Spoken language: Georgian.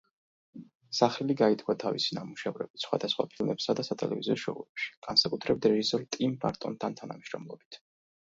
სახელი გაითქვა თავისი ნამუშევრებით სხვადასხვა ფილმებსა და სატელევიზიო შოუებში, განსაკუთრებით რეჟისორ ტიმ ბარტონთან თანამშრომლობით.